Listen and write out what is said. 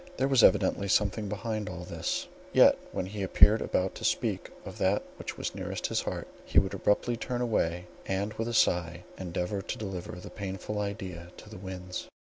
There was evidently something behind all this; yet, when he appeared about to speak of that which was nearest his heart, he would abruptly turn away, and with a sigh endeavour to deliver the painful idea to the winds.